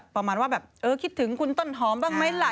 ประมาณว่าแบบเออคิดถึงคุณต้นหอมบ้างไหมล่ะ